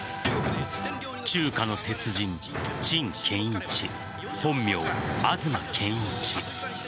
中華の鉄人・陳建一本名・東建一。